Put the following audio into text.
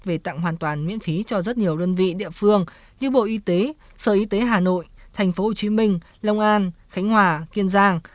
về tặng hoàn toàn miễn phí cho rất nhiều đơn vị địa phương như bộ y tế sở y tế hà nội tp hcm lông an khánh hòa kiên giang